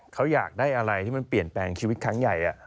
เขาอยากได้อะไรที่มันเปลี่ยนแปลงชีวิตครั้งใหญ่